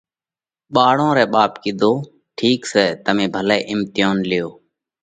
ٻاۯون رئہ ٻاپ ڪِيڌو: ٺِيڪ سئہ تمي ڀلئہ اِمتيونَ ليو۔